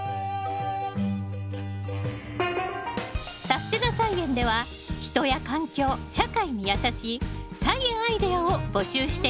「さすてな菜園」では人や環境社会にやさしい菜園アイデアを募集しています。